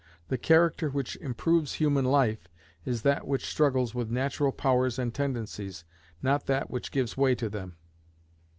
The character which improves human life is that which struggles with natural powers and tendencies, not that which gives way to them.